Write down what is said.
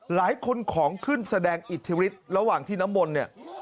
หลายคนของขึ้นแสดงอิทธิฤทธิ์ระหว่างที่น้ำมนต์เนี่ย